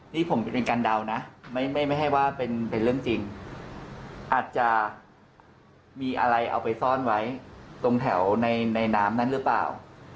นี่ผมเป็นการเดานะไม่ให้ว่าเป็นเรื่องจริงอาจจะมีอะไรเอาไปซ่อนไว้ตรงแถวในน้ำนั้นหรือเปล่า